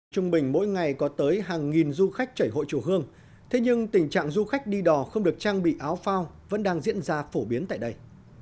trung bình mỗi ngày có tới hàng nghìn du khách chảy hội chùa hương thế nhưng tình trạng du khách đi đò không được trang bị áo phao vẫn đang diễn ra phổ biến tại đây